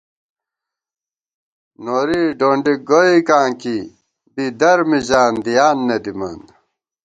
نوری ڈونڈِک گوئیکاں کی بی درمِزان دِیان نہ دِمان